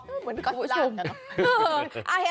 เหมือนก๊อตบุ๊ชยุม